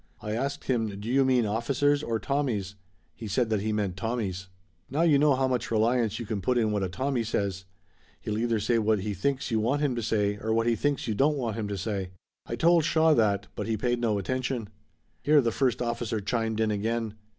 I asked him: 'Do you mean officers or Tommies?' He said that he meant Tommies. "Now you know how much reliance you can put in what a Tommy says. He'll either say what he thinks you want him to say or what he thinks you don't want him to say. I told Shaw that, but he paid no attention." Here the first officer chimed in again.